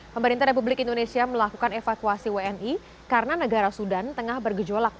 pemerintah republik indonesia melakukan evakuasi wni karena negara sudan tengah bergejolak